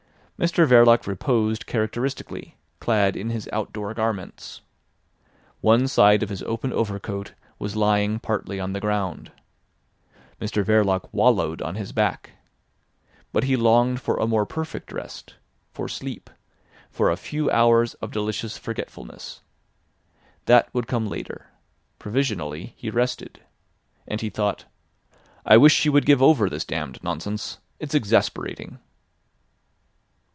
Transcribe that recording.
Mr Verloc reposed characteristically, clad in his outdoor garments. One side of his open overcoat was lying partly on the ground. Mr Verloc wallowed on his back. But he longed for a more perfect rest—for sleep—for a few hours of delicious forgetfulness. That would come later. Provisionally he rested. And he thought: "I wish she would give over this damned nonsense. It's exasperating."